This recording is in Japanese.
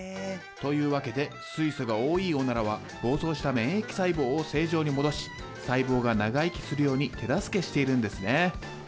というわけで水素が多いオナラは暴走した免疫細胞を正常に戻し細胞が長生きするように手助けしているんですね。